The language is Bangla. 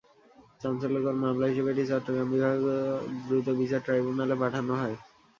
চাঞ্চল্যকর মামলা হিসেবে এটি চট্টগ্রাম বিভাগীয় দ্রুত বিচার ট্রাইব্যুনালে পাঠানো হয়।